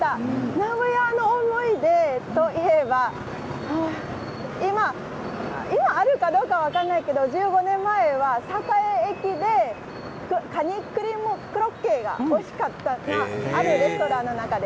名古屋の思い出といえば今あるかどうか分からないけど１５年前は栄駅でカニクリームコロッケがおいしかったあるレストランの中で。